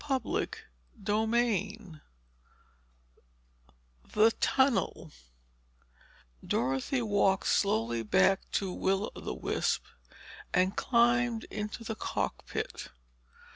Chapter XVI THE TUNNEL Dorothy walked slowly back to Will o' the Wisp and climbed into the cockpit.